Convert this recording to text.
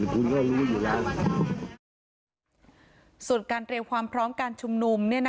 ส่วนการเตรียมความพร้อมการชุมนุม